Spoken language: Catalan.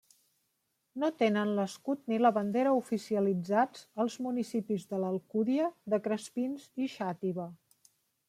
No tenen l'escut ni la bandera oficialitzats els municipis de l'Alcúdia de Crespins i Xàtiva.